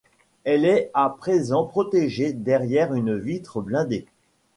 Elle est à présent protégée derrière une vitre blindée.